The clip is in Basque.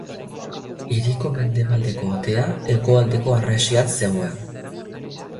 Hiriko mendebaldeko atea hegoaldeko harresian zegoen.